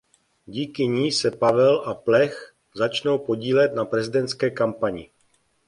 Díky ní se Pavel a Plech začnou podílet na prezidentské kampani.